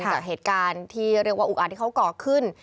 จากเหตุการณ์ที่เรียกว่าอุกอาจที่เขาก่อขึ้น